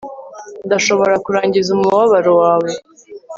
Ndashobora kurangiza umubabaro wawe